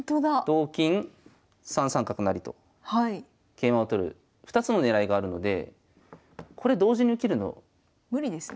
同金３三角成と桂馬を取る２つの狙いがあるのでこれ同時に受けるの無理ですね。